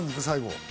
最後